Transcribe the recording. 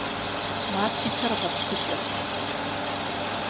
Матрицэр гъэпсыкӀэщ.